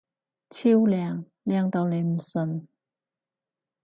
超靚！靚到你唔信！